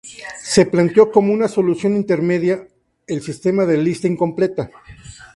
Se planteó como una solución intermedia, el sistema de lista incompleta.